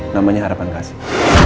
namanya harapan kasih